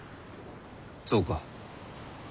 そうか。